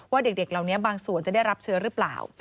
เด็กเหล่านี้บางส่วนจะได้รับเชื้อหรือเปล่า